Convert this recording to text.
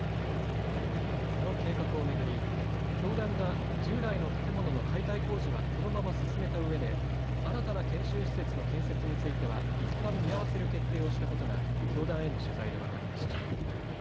この計画を巡り教団が従来の建物の解体工事はこのまま進めたうえで新たな研修施設の建設についてはいったん見合わせる決定をしたことが教団への取材で分かりました。